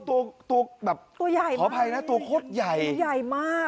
ตัวตัวแบบตัวใหญ่ขออภัยนะตัวโคตรใหญ่ตัวใหญ่มาก